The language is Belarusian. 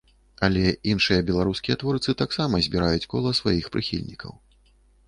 Але іншыя беларускія творцы таксама збіраюць кола сваіх прыхільнікаў.